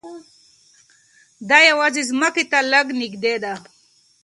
دا یوازې ځمکې ته لږ نږدې ده.